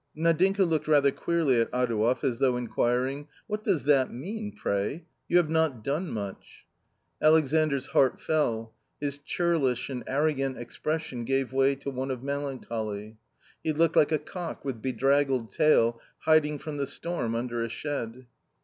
Nadinka looked rather queerly at Adouev as though inquiring :" What does that mean, pray ? You have not done much." Alexandr's heart fell. His churlish and arrogant expres sion gave way to one of melancholy. He looked like a cock with bedraggled tail hiding from the storm under a shed.